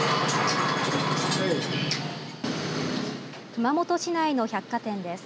熊本市内の百貨店です。